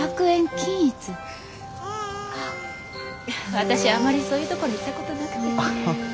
あっ私あまりそういうところ行ったことなくて。